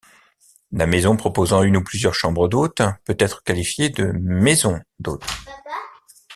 La maison proposant une ou plusieurs chambres d'hôtes peut être qualifiée de maison d'hôtes.